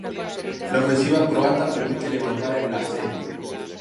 La ofensiva croata permite levantar el asedio.